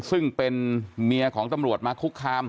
ซึ่งเป็นเมียของตำรวจมาคุกคาม